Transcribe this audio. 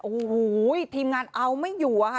โอ้โหทีมงานเอาไม่อยู่อะค่ะ